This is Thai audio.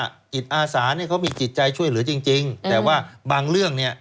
จิตอาสาเนี่ยเขามีจิตใจช่วยเหลือจริงจริงแต่ว่าบางเรื่องเนี่ย